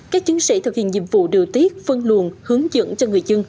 các chiến sĩ thực hiện nhiệm vụ điều tiết phân luồn hướng dẫn cho người dân